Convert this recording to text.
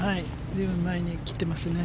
随分前に切っていますね。